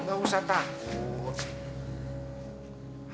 nggak usah takut